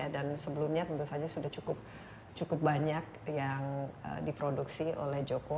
dan sebelumnya tentu saja sudah cukup banyak yang diproduksi oleh joko